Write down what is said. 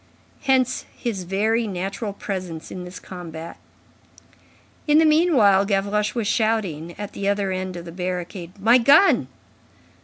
Hence his very natural presence in this combat. In the meanwhile, Gavroche was shouting, at the other end of the barricade: "My gun!"